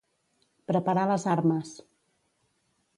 Preparar les armes.